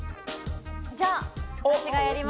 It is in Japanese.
じゃあ私がやります！